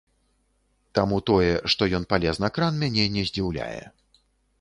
Таму тое, што ён палез на кран, мяне не здзіўляе.